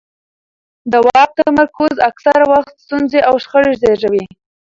د واک تمرکز اکثره وخت ستونزې او شخړې زیږوي